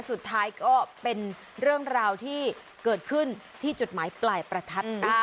สุดท้ายก็เป็นเรื่องราวที่เกิดขึ้นที่จุดหมายปลายประทัด